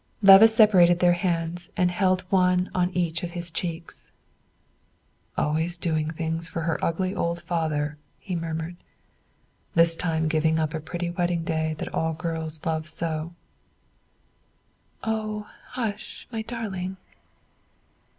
Levice separated their hands and held one on each of his cheeks. "Always doing things for her ugly old father," he murmured; "this time giving up a pretty wedding day that all girls so love." "Oh, hush, my darling."